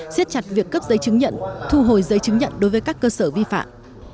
xiết chặt việc cấp giấy chứng nhận thu hồi giấy chứng nhận đối với các cơ sở vi phạm